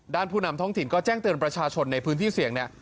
ด้านภูนำท้องถิ่มก็แจ้งเตินประชาชนในพื้นที่เสี่ยง